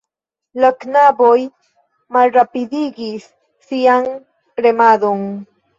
La knaboj malrapidigis sian remadon.